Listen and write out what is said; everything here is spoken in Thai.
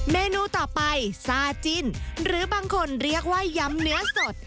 เมนูต่อไปซาจิ้นหรือบางคนเรียกว่ายำเนื้อสด